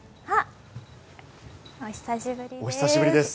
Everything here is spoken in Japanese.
お久しぶりです。